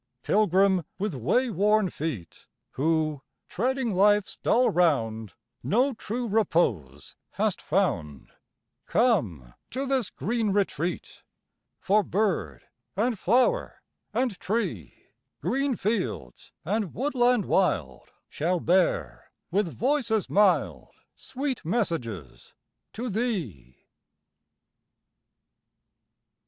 Pilgrim with way worn feet, Who, treading life's dull round, No true repose hast found, Come to this green retreat. For bird, and flower, and tree, Green fields, and woodland wild, Shall bear, with voices mild, Sweet messages to thee.